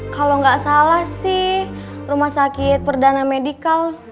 kalau nggak salah sih rumah sakit perdana medikal